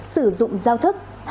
sử dụng giao thức https và tên miễn phí